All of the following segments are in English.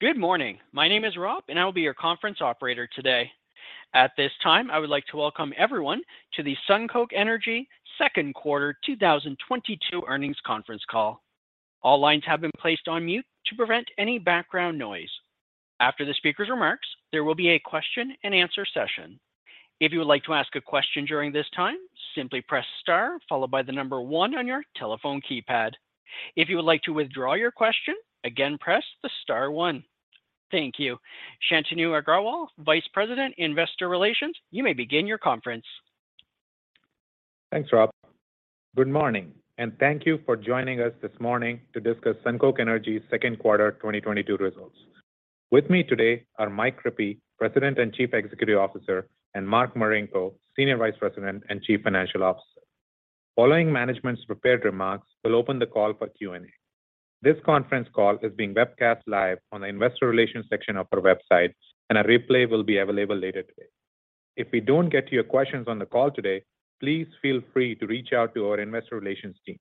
Good morning. My name is Rob, and I will be your conference operator today. At this time, I would like to welcome everyone to the SunCoke Energy second quarter 2022 earnings conference call. All lines have been placed on mute to prevent any background noise. After the speaker's remarks, there will be a question and answer session. If you would like to ask a question during this time, simply press star followed by the number one on your telephone keypad. If you would like to withdraw your question, again, press the star one. Thank you. Shantanu Agrawal, Vice President, Investor Relations, you may begin your conference. Thanks, Rob. Good morning, and thank you for joining us this morning to discuss SunCoke Energy's second quarter 2022 results. With me today are Mike Rippey, President and Chief Executive Officer, and Mark Marinko, Senior Vice President and Chief Financial Officer. Following management's prepared remarks, we'll open the call for Q&A. This conference call is being webcast live on the investor relations section of our website, and a replay will be available later today. If we don't get to your questions on the call today, please feel free to reach out to our investor relations team.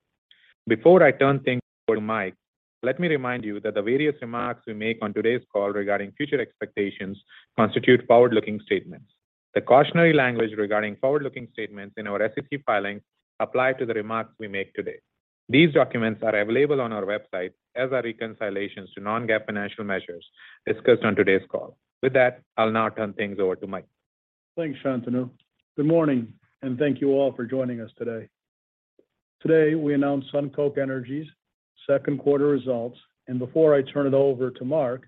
Before I turn things over to Mike, let me remind you that the various remarks we make on today's call regarding future expectations constitute forward-looking statements. The cautionary language regarding forward-looking statements in our SEC filings apply to the remarks we make today. These documents are available on our website as are reconciliations to non-GAAP financial measures discussed on today's call. With that, I'll now turn things over to Mike. Thanks, Shantanu. Good morning, and thank you all for joining us today. Today, we announce SunCoke Energy's second quarter results, and before I turn it over to Mark,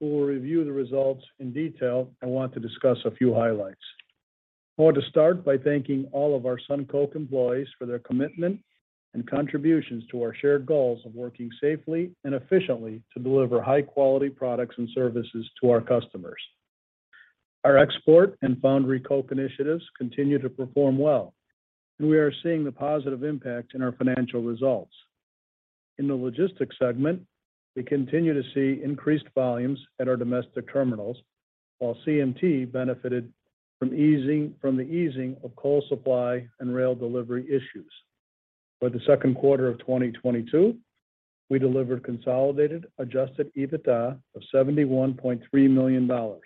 who will review the results in detail, I want to discuss a few highlights. I want to start by thanking all of our SunCoke employees for their commitment and contributions to our shared goals of working safely and efficiently to deliver high-quality products and services to our customers. Our export and foundry coke initiatives continue to perform well, and we are seeing the positive impact in our financial results. In the logistics segment, we continue to see increased volumes at our domestic terminals, while CMT benefited from the easing of coal supply and rail delivery issues. For the second quarter of 2022, we delivered consolidated adjusted EBITDA of $71.3 million.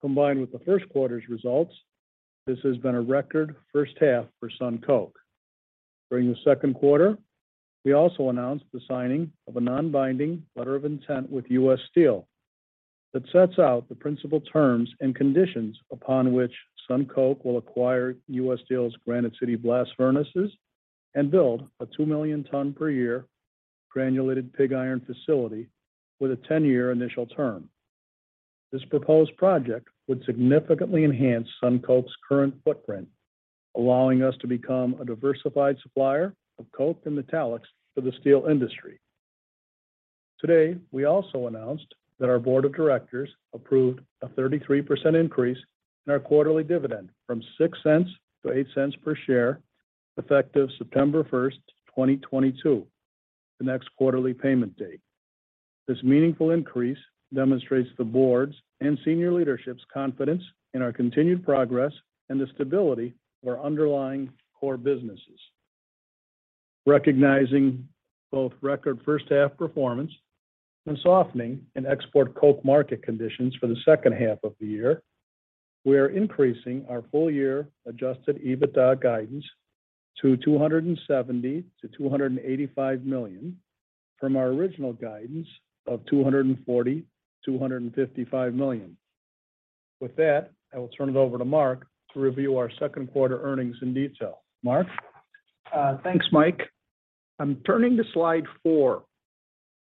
Combined with the first quarter's results, this has been a record first half for SunCoke. During the second quarter, we also announced the signing of a non-binding letter of intent with US Steel that sets out the principal terms and conditions upon which SunCoke will acquire US Steel's Granite City blast furnaces and build a two million-ton-per-year granulated pig iron facility with a 10-year initial term. This proposed project would significantly enhance SunCoke's current footprint, allowing us to become a diversified supplier of coke and metallics for the steel industry. Today, we also announced that our board of directors approved a 33% increase in our quarterly dividend from $0.06 to $0.08 per share, effective September 1st, 2022, the next quarterly payment date. This meaningful increase demonstrates the board's and senior leadership's confidence in our continued progress and the stability of our underlying core businesses. Recognizing both record first half performance and softening in export coke market conditions for the second half of the year, we are increasing our full year adjusted EBITDA guidance to $270 million-$285 million from our original guidance of $240 million-$255 million. With that, I will turn it over to Mark to review our second quarter earnings in detail. Mark? Thanks, Mike. I'm turning to slide four.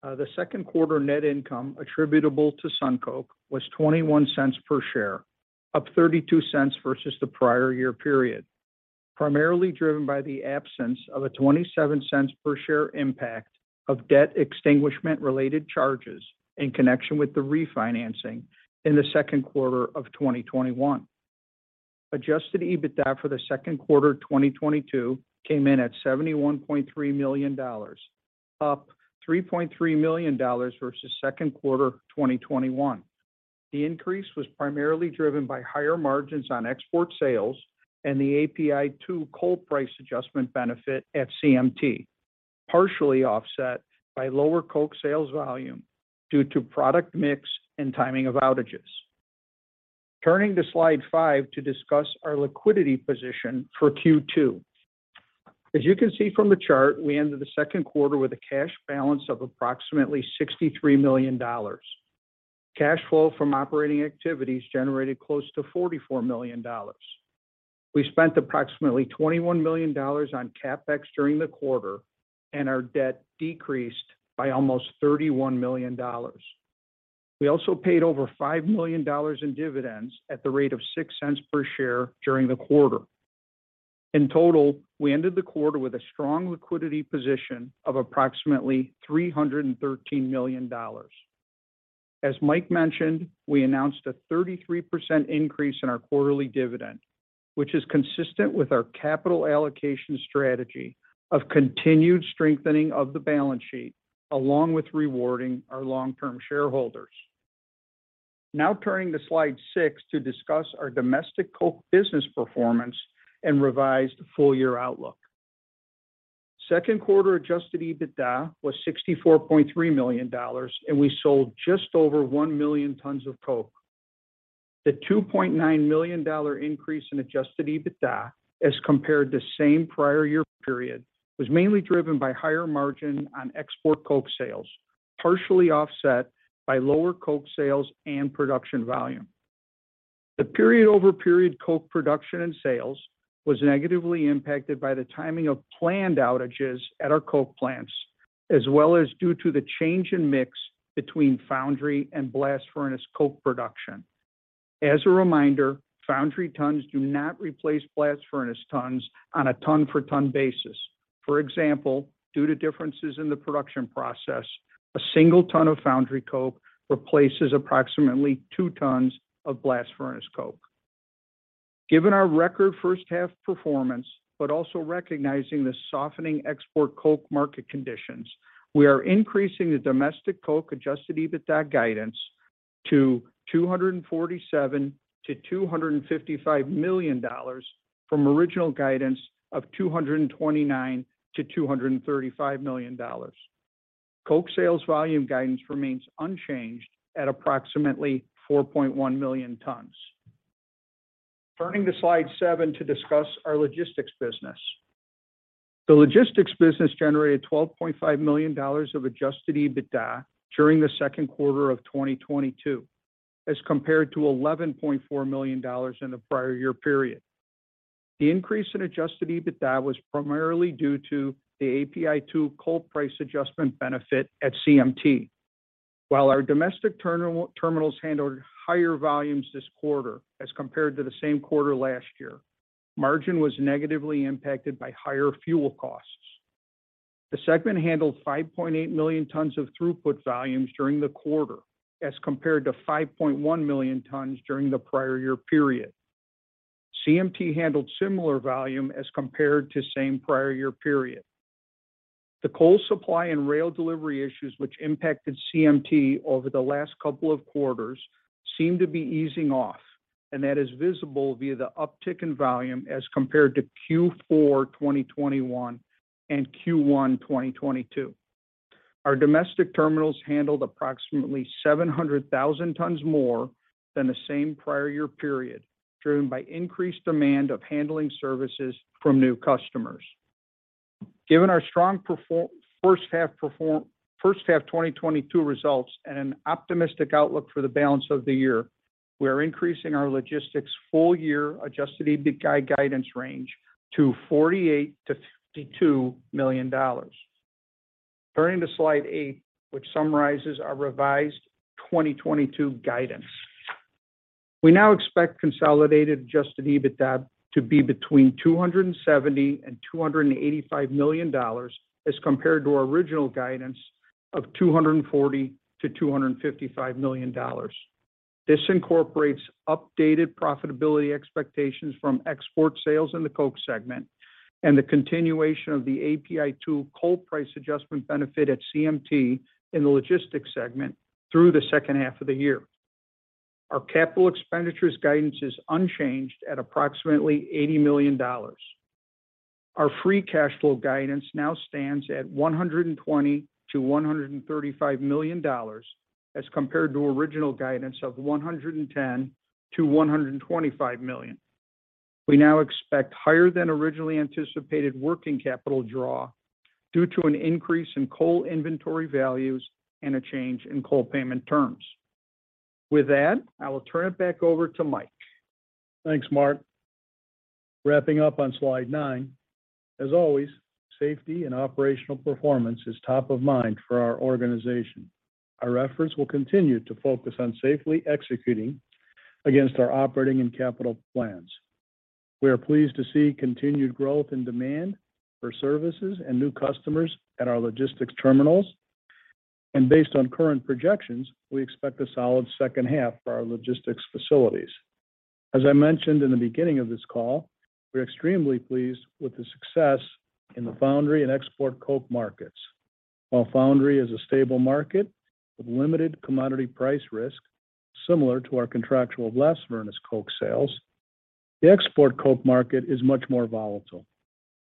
The second quarter net income attributable to SunCoke was $0.21 per share, up $0.32 versus the prior year period, primarily driven by the absence of a $0.27 per share impact of debt extinguishment related charges in connection with the refinancing in the second quarter of 2021. Adjusted EBITDA for the second quarter 2022 came in at $71.3 million, up $3.3 million versus second quarter 2021. The increase was primarily driven by higher margins on export sales and the API2 coal price adjustment benefit at CMT, partially offset by lower coke sales volume due to product mix and timing of outages. Turning to slide five to discuss our liquidity position for Q2. As you can see from the chart, we ended the second quarter with a cash balance of approximately $63 million. Cash flow from operating activities generated close to $44 million. We spent approximately $21 million on CapEx during the quarter, and our debt decreased by almost $31 million. We also paid over $5 million in dividends at the rate of $0.06 per share during the quarter. In total, we ended the quarter with a strong liquidity position of approximately $313 million. As Mike mentioned, we announced a 33% increase in our quarterly dividend, which is consistent with our capital allocation strategy of continued strengthening of the balance sheet along with rewarding our long-term shareholders. Now turning to slide six to discuss our domestic coke business performance and revised full-year outlook. Second quarter adjusted EBITDA was $64.3 million, and we sold just over 1 million tons of coke. The $2.9 million increase in adjusted EBITDA as compared to the same prior year period was mainly driven by higher margin on export coke sales, partially offset by lower coke sales and production volume. The period-over-period coke production and sales was negatively impacted by the timing of planned outages at our coke plants, as well as due to the change in mix between foundry and blast furnace coke production. As a reminder, foundry tons do not replace blast furnace tons on a ton-for-ton basis. For example, due to differences in the production process, a single ton of foundry coke replaces approximately two tons of blast furnace coke. Given our record first half performance, but also recognizing the softening export coke market conditions, we are increasing the domestic coke adjusted EBITDA guidance to $247 million-$255 million from original guidance of $229 million-$235 million. Coke sales volume guidance remains unchanged at approximately 4.1 million tons. Turning to slide seven to discuss our logistics business. The logistics business generated $12.5 million of adjusted EBITDA during the second quarter of 2022, as compared to $11.4 million in the prior year period. The increase in adjusted EBITDA was primarily due to the API2 coal price adjustment benefit at CMT. While our domestic terminals handled higher volumes this quarter as compared to the same quarter last year, margin was negatively impacted by higher fuel costs. The segment handled 5.8 million tons of throughput volumes during the quarter, as compared to 5.1 million tons during the prior year period. CMT handled similar volume as compared to same prior year period. The coal supply and rail delivery issues which impacted CMT over the last couple of quarters seem to be easing off, and that is visible via the uptick in volume as compared to Q4 2021 and Q1 2022. Our domestic terminals handled approximately 700,000 tons more than the same prior year period, driven by increased demand of handling services from new customers. Given our strong first half 2022 results and an optimistic outlook for the balance of the year, we are increasing our logistics full year adjusted EBITDA guidance range to $48 million-$52 million. Turning to slide eight, which summarizes our revised 2022 guidance. We now expect consolidated adjusted EBITDA to be between $270 million and $285 million as compared to our original guidance of $240 million-$255 million. This incorporates updated profitability expectations from export sales in the coke segment and the continuation of the API2 coal price adjustment benefit at CMT in the logistics segment through the second half of the year. Our capital expenditures guidance is unchanged at approximately $80 million. Our free cash flow guidance now stands at $120 million-$135 million as compared to original guidance of $110 million-$125 million. We now expect higher than originally anticipated working capital draw due to an increase in coal inventory values and a change in coal payment terms. With that, I will turn it back over to Mike. Thanks, Mark. Wrapping up on slide nine, as always, safety and operational performance is top of mind for our organization. Our efforts will continue to focus on safely executing against our operating and capital plans. We are pleased to see continued growth and demand for services and new customers at our logistics terminals. Based on current projections, we expect a solid second half for our logistics facilities. As I mentioned in the beginning of this call, we are extremely pleased with the success in the foundry and export coke markets. While foundry is a stable market with limited commodity price risk, similar to our contractual blast furnace coke sales, the export coke market is much more volatile.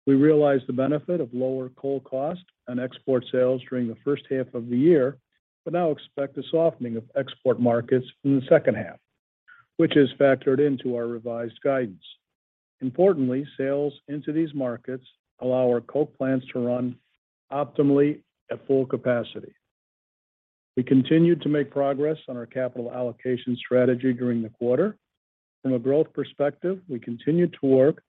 We realize the benefit of lower coal cost on export sales during the first half of the year, but now expect a softening of export markets in the second half, which is factored into our revised guidance. Importantly, sales into these markets allow our coke plants to run optimally at full capacity. We continued to make progress on our capital allocation strategy during the quarter. From a growth perspective, we continued to work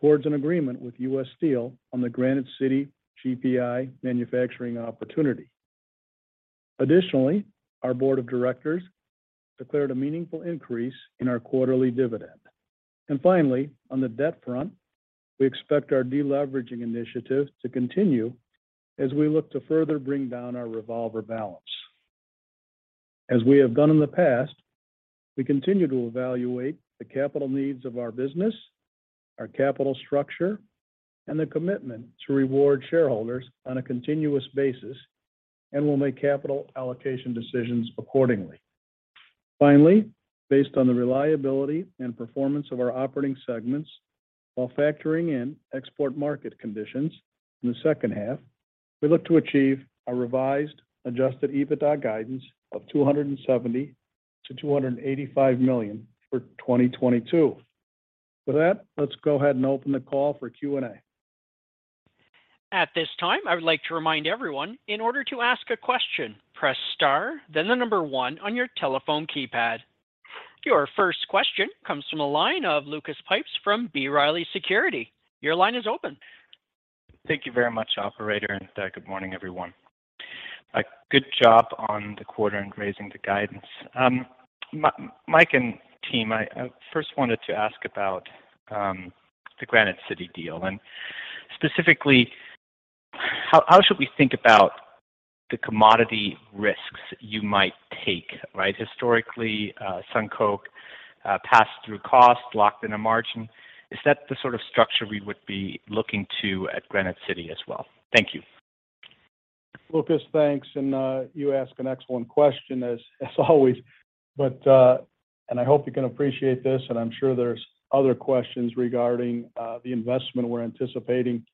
towards an agreement with US Steel on the Granite City GPI manufacturing opportunity. Additionally, our board of directors declared a meaningful increase in our quarterly dividend. Finally, on the debt front, we expect our deleveraging initiative to continue as we look to further bring down our revolver balance. As we have done in the past, we continue to evaluate the capital needs of our business, our capital structure, and the commitment to reward shareholders on a continuous basis, and we'll make capital allocation decisions accordingly. Finally, based on the reliability and performance of our operating segments while factoring in export market conditions in the second half, we look to achieve a revised adjusted EBITDA guidance of $270 million-$285 million for 2022. With that, let's go ahead and open the call for Q&A. At this time, I would like to remind everyone in order to ask a question, press star then the number one on your telephone keypad. Your first question comes from the line of Lucas Pipes from B. Riley Securities. Your line is open. Thank you very much, operator, and good morning, everyone. Good job on the quarter and raising the guidance. Mike and team, I first wanted to ask about the Granite City deal and specifically how should we think about the commodity risks you might take, right? Historically, SunCoke passed through costs locked in a margin. Is that the sort of structure we would be looking to at Granite City as well? Thank you. Lucas, thanks. You ask an excellent question as always. I hope you can appreciate this, and I'm sure there's other questions regarding the investment we're anticipating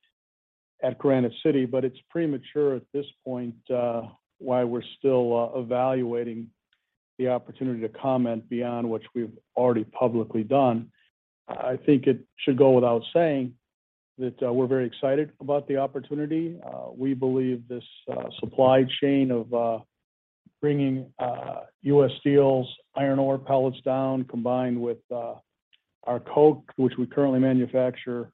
at Granite City, but it's premature at this point while we're still evaluating the opportunity to comment beyond what we've already publicly done. I think it should go without saying that we're very excited about the opportunity. We believe this supply chain of bringing US Steel's iron ore pellets down, combined with our coke, which we currently manufacture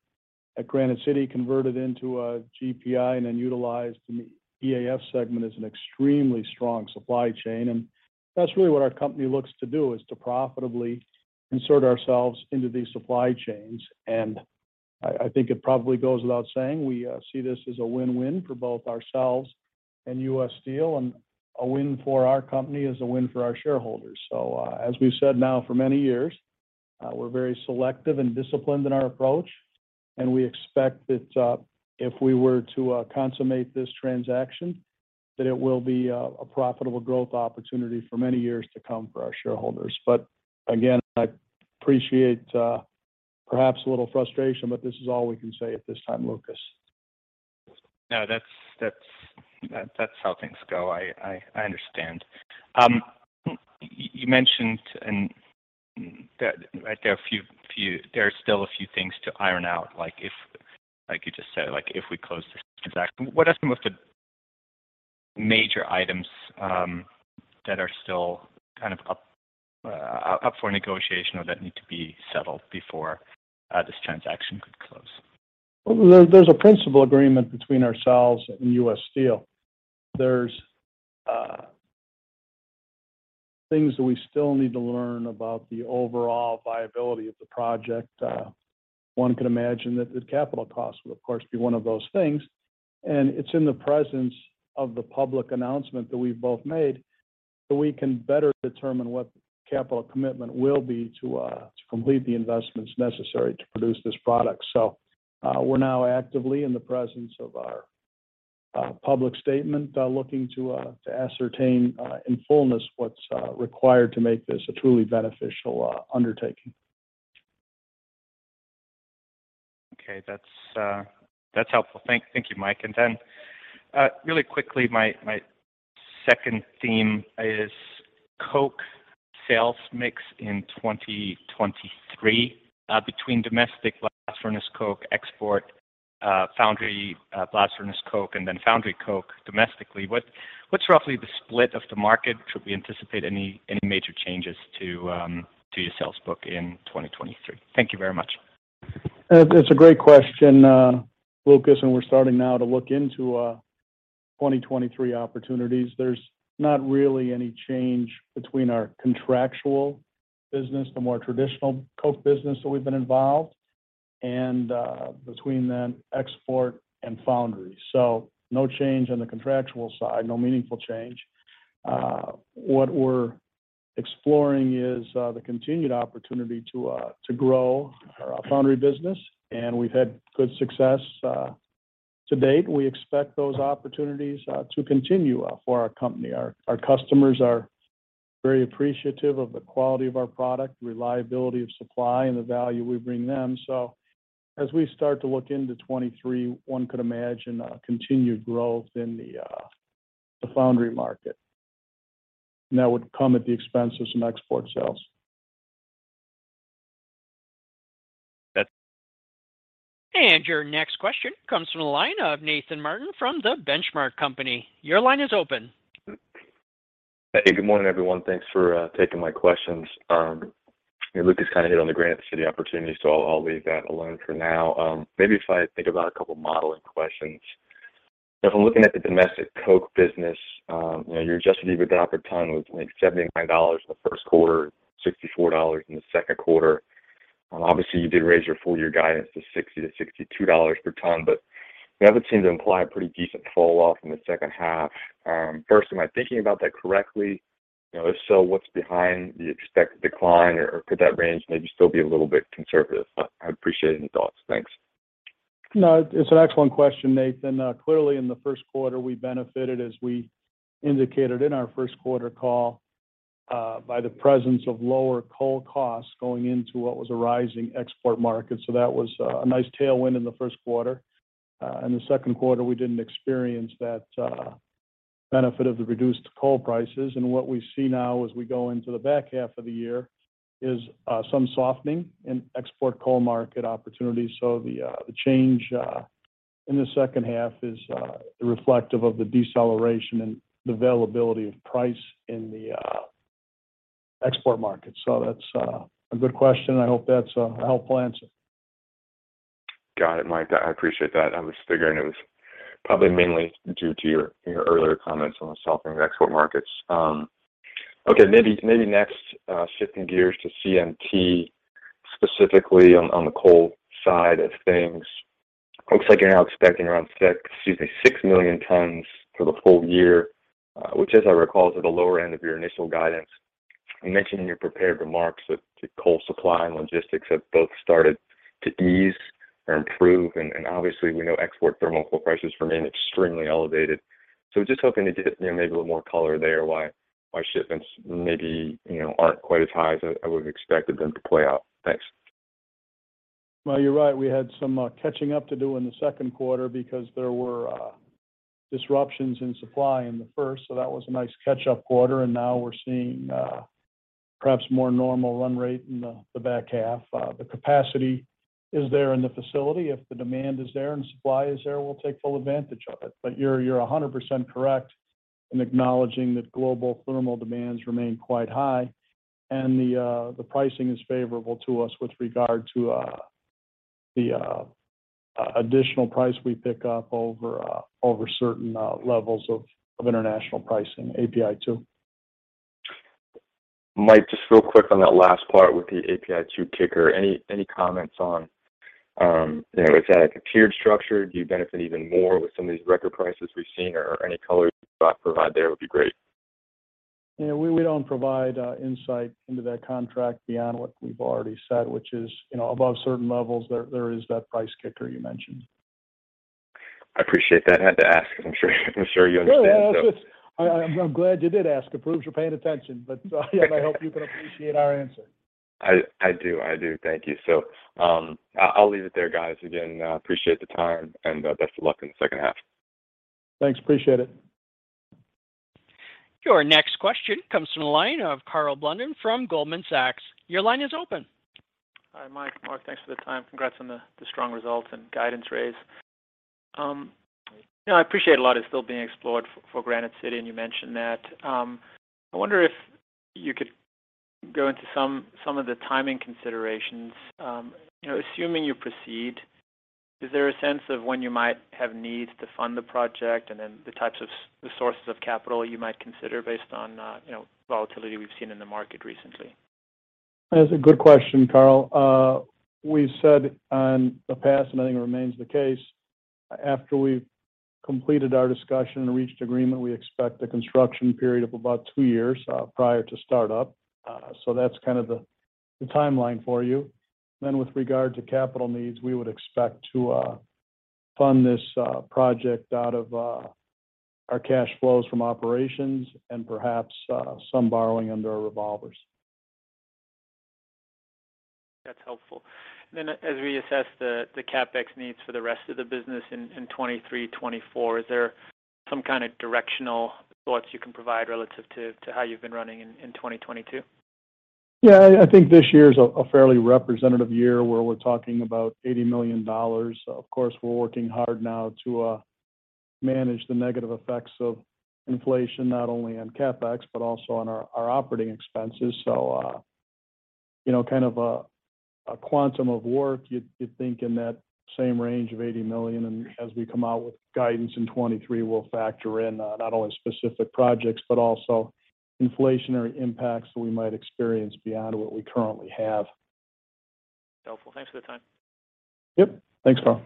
at Granite City, converted into a GPI and then utilized in the EAF segment is an extremely strong supply chain. That's really what our company looks to do, is to profitably insert ourselves into these supply chains. I think it probably goes without saying, we see this as a win-win for both ourselves and US Steel. A win for our company is a win for our shareholders. As we've said now for many years, we're very selective and disciplined in our approach, and we expect that, if we were to consummate this transaction, that it will be a profitable growth opportunity for many years to come for our shareholders. Again, I appreciate perhaps a little frustration, but this is all we can say at this time, Lucas. No, that's how things go. I understand. You mentioned that there are still a few things to iron out, like you just said, like, if we close this transaction. What are some of the major items that are still kind of up for negotiation or that need to be settled before this transaction could close? Well, there's an agreement in principle between ourselves and US Steel. There's things that we still need to learn about the overall viability of the project. One could imagine that the capital cost would, of course, be one of those things. It's in the process of the public announcement that we've both made that we can better determine what capital commitment will be to complete the investments necessary to produce this product. We're now actively in the process of our public statement, looking to ascertain in full what's required to make this a truly beneficial undertaking. Okay. That's helpful. Thank you, Mike. Really quickly, my second theme is coke sales mix in 2023 between domestic blast furnace coke, export coke, foundry coke, blast furnace coke, and then foundry coke domestically. What's roughly the split of the market? Should we anticipate any major changes to your sales book in 2023? Thank you very much. That's a great question, Lucas, and we're starting now to look into 2023 opportunities. There's not really any change between our contractual business, the more traditional coke business that we've been involved, and between the export and foundry. No change on the contractual side, no meaningful change. What we're exploring is the continued opportunity to grow our foundry business, and we've had good success to date. We expect those opportunities to continue for our company. Our customers are very appreciative of the quality of our product, reliability of supply, and the value we bring them. As we start to look into 2023, one could imagine continued growth in the foundry market. That would come at the expense of some export sales. That's- Your next question comes from the line of Nathan Martin from The Benchmark Company. Your line is open. Hey, good morning, everyone. Thanks for taking my questions. Lucas kind of hit on the Granite City opportunity, so I'll leave that alone for now. Maybe if I think about a couple modeling questions. If I'm looking at the domestic coke business, you know, your adjusted EBITDA per ton was, like, $79 in the first quarter, $64 in the second quarter. Obviously, you did raise your full year guidance to $60-$62 per ton, but that would seem to imply a pretty decent fall off in the second half. First, am I thinking about that correctly? You know, if so, what's behind the expected decline or could that range maybe still be a little bit conservative? I'd appreciate any thoughts. Thanks. No, it's an excellent question, Nathan. Clearly in the first quarter we benefited as we indicated in our first quarter call, by the presence of lower coal costs going into what was a rising export market. That was a nice tailwind in the first quarter. In the second quarter we didn't experience that benefit of the reduced coal prices. What we see now as we go into the back half of the year is some softening in export coal market opportunities. The change in the second half is reflective of the deceleration and the availability of price in the export market. That's a good question. I hope that's a helpful answer. Got it, Mike. I appreciate that. I was figuring it was probably mainly due to your earlier comments on the softening of export markets. Okay, maybe next, shifting gears to CMT, specifically on the coal side of things. Looks like you're now expecting around six million tons for the full year, which as I recall is at the lower end of your initial guidance. You mentioned in your prepared remarks that the coal supply and logistics have both started to ease or improve and obviously we know export thermal coal prices remain extremely elevated. Just hoping to get, you know, maybe a little more color there why shipments maybe, you know, aren't quite as high as I would've expected them to play out. Thanks. Well, you're right. We had some catching up to do in the second quarter because there were disruptions in supply in the first, so that was a nice catch-up quarter. Now we're seeing perhaps more normal run rate in the back half. The capacity is there in the facility. If the demand is there and supply is there, we'll take full advantage of it. You're a hundred percent correct in acknowledging that global thermal demands remain quite high and the pricing is favorable to us with regard to the additional price we pick up over certain levels of international pricing API2. Mike, just real quick on that last part with the API2 kicker, any comments on, you know, is that a tiered structure? Do you benefit even more with some of these record prices we've seen or any color you could provide there would be great. Yeah, we don't provide insight into that contract beyond what we've already said, which is, you know, above certain levels there is that price kicker you mentioned. I appreciate that. Had to ask because I'm sure you understand. Yeah, yeah. It's just I'm glad you did ask. It proves you're paying attention. Yeah, I hope you can appreciate our answer. I do. Thank you. I'll leave it there, guys. Again, appreciate the time and best of luck in the second half. Thanks. Appreciate it. Your next question comes from the line of Karl Blunden from Goldman Sachs. Your line is open. Hi, Mike, Mark. Thanks for the time. Congrats on the strong results and guidance raise. You know, I appreciate that a lot is still being explored for Granite City, and you mentioned that. I wonder if you could go into some of the timing considerations. You know, assuming you proceed, is there a sense of when you might have needs to fund the project and then the sources of capital you might consider based on, you know, volatility we've seen in the market recently? That's a good question, Karl. We said in the past, and I think it remains the case, after we've completed our discussion and reached agreement, we expect a construction period of about 2 years prior to start up. That's kind of the timeline for you. With regard to capital needs, we would expect to fund this project out of our cash flows from operations and perhaps some borrowing under our revolvers. That's helpful. As we assess the CapEx needs for the rest of the business in 2023, 2024, is there some kind of directional thoughts you can provide relative to how you've been running in 2022? Yeah, I think this year's a fairly representative year where we're talking about $80 million. Of course, we're working hard now to manage the negative effects of inflation, not only on CapEx, but also on our operating expenses. You know, kind of a quantum of work. You'd think in that same range of $80 million. As we come out with guidance in 2023, we'll factor in not only specific projects, but also inflationary impacts that we might experience beyond what we currently have. Helpful. Thanks for the time. Yep. Thanks, Karl.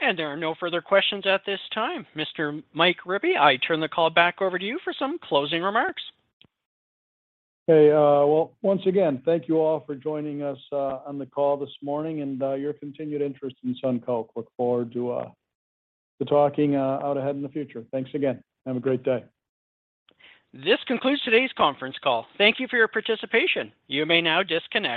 There are no further questions at this time. Mr. Mike Rippey, I turn the call back over to you for some closing remarks. Okay. Well, once again, thank you all for joining us on the call this morning and your continued interest in SunCoke. Look forward to talking with you in the future. Thanks again. Have a great day. This concludes today's conference call. Thank you for your participation. You may now disconnect.